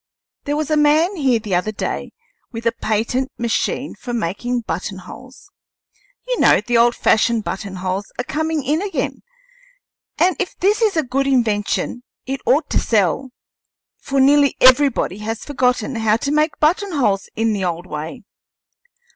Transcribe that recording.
There was a man here the other day with a patent machine for making button holes you know the old fashioned button holes are coming in again and if this is a good invention it ought to sell, for nearly everybody has forgotten how to make button holes in the old way."